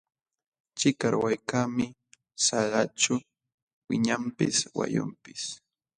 Chikarwaykaqmi sallqaćhu wiñanpis wayunpis.